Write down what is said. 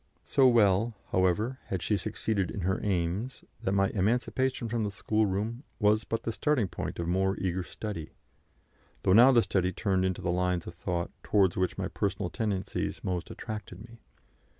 So well, however, had she succeeded in her aims, that my emancipation from the schoolroom was but the starting point of more eager study, though now the study turned into the lines of thought towards which my personal tendencies most attracted me.